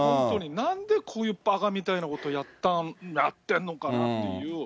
なんでこういうばかみたいなことをやってんのかなっていう。